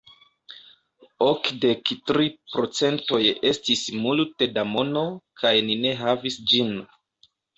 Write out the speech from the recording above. Okdek tri procentoj estis multe da mono, kaj ni ne havis ĝin.